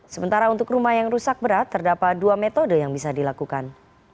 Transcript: sementara untuk rumah yang rusak berat terdapat dua metode yang bisa dilakukan